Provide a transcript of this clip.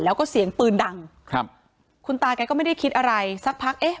แล้วก็เสียงปืนดังครับคุณตาแกก็ไม่ได้คิดอะไรสักพักเอ๊ะ